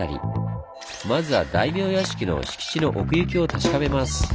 まずは大名屋敷の敷地の奥行きを確かめます。